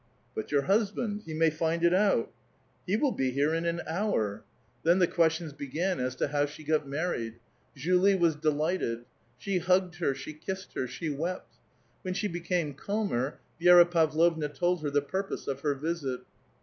" But your husband ; he may find it out." " He will be here in an hour." 166 A VITAL QUESTION. Then tbc questions began as to how she got married. Julie was delitjchted. JShe liugged her, she kissed her, she wept. Wlien bJie became euhuer, Vi^ra Pavlovna told her the pur pose of her visit.